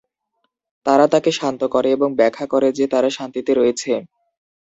তারা তাকে শান্ত করে এবং ব্যাখ্যা করে যে, তারা শান্তিতে রয়েছে।